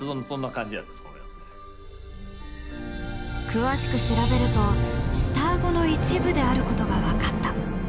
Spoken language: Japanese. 詳しく調べると下あごの一部であることが分かった。